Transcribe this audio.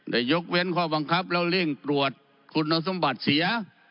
ยกเว้นข้อบังคับแล้วเร่งตรวจคุณสมบัติเสีย